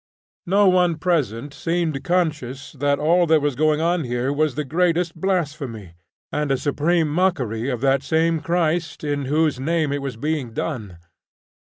No one present seemed conscious that all that was going on here was the greatest blasphemy and a supreme mockery of that same Christ in whose name it was being done.